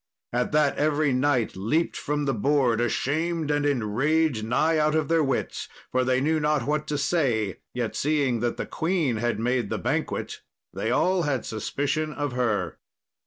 At that every knight leapt from the board ashamed and enraged nigh out of their wits, for they knew not what to say, yet seeing that the queen had made the banquet they all had suspicion of her.